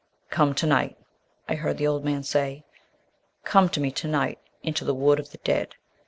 "Come to night," I heard the old man say, "come to me to night into the Wood of the Dead.